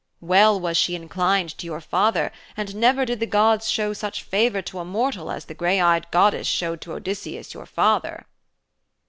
Well was she inclined to your father, and never did the gods show such favour to a mortal as the grey eyed goddess showed to Odysseus, your father.'